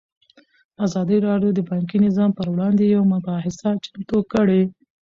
ازادي راډیو د بانکي نظام پر وړاندې یوه مباحثه چمتو کړې.